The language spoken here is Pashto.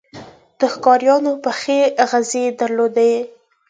د ښکاریانو پخې خزې یې درلودې.